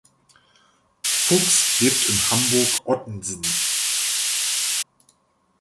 Fuchs lebt in Hamburg-Ottensen.